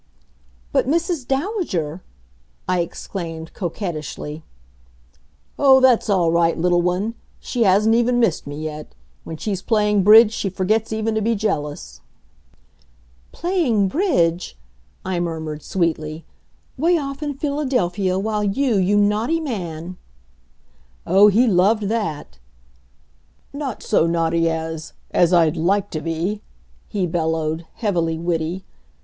"But, Mrs. Dowager!" I exclaimed coquettishly. "Oh, that's all right, little one! She hasn't even missed me yet. When she's playing Bridge she forgets even to be jealous." "Playing Bridge," I murmured sweetly, "'way off in Philadelphia, while you, you naughty man " Oh, he loved that! "Not so naughty as as I'd like to be," he bellowed, heavily witty.